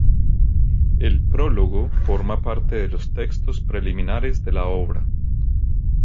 El prólogo forma parte de los textos preliminares de la obra.